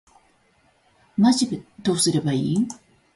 マジでどうすればいいん